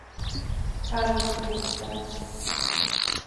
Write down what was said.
Kálnoky Gusztáv.